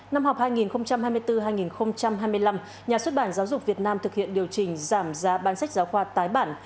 năm học hai nghìn hai mươi bốn hai nghìn hai mươi năm nhà xuất bản giáo dục việt nam thực hiện điều chỉnh giảm giá bán sách giáo khoa tái bản